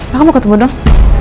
pak kamu ketemu dong